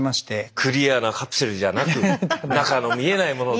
クリアなカプセルじゃなく中の見えないもので。